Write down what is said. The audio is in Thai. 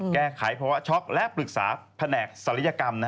แก้ไขภาวะช็อกและปรึกษาแผนกศัลยกรรม